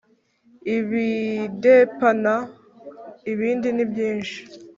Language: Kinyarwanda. ibidepana ibindi ni byinshi